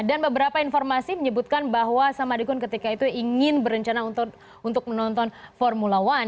dan beberapa informasi menyebutkan bahwa samadikun ketika itu ingin berencana untuk menonton formula one